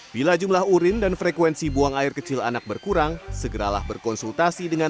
bila jumlah urin dan frekuensi buang air kecil anak berkurang segeralah berkonsultasi dengan